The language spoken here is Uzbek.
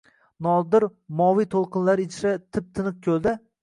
Nodir moviy to‘lqinlar ichra tip-tiniq ko‘lda.